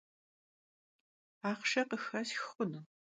Axhşşe khıxesx xhunu?